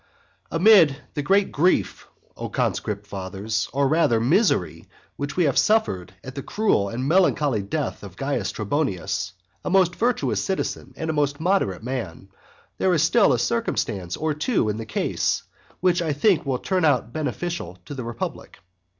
I. AMID the great grief, O conscript fathers, or rather misery which we have suffered at the cruel and melancholy death of Caius Trebonius, a most virtuous citizen and a most moderate man, there is still a circumstance or two in the case which I think will turn out beneficial to the republic.